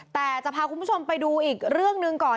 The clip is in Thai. แต่จะพาคุณผู้ชมไปดูอีกเรื่องหนึ่งก่อน